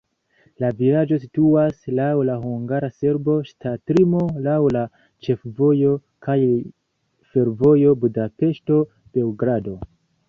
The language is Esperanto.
La vilaĝo situas laŭ la hungara-serba ŝtatlimo laŭ la ĉefvojo kaj fervojo Budapeŝto-Beogrado.